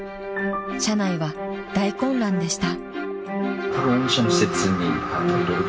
［社内は大混乱でした］